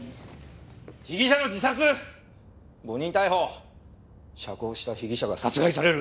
被疑者の自殺誤認逮捕釈放した被疑者が殺害される。